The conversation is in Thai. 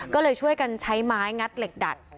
ก็เลยช่วยกันใช้ไม้งัดเหล็กดัด